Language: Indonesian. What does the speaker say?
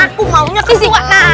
aku maunya ketua